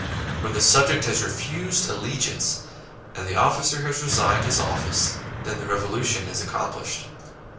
When the subject has refused allegiance, and the officer has resigned his office, then the revolution is accomplished."